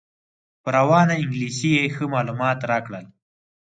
په روانه انګلیسي یې ښه معلومات راکړل.